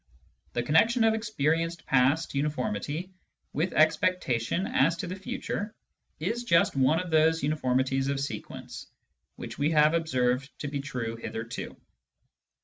The connection of experienced past uniformity with expectation as to the future is just one of those uniformities of sequence which we have observed to be true hitherto.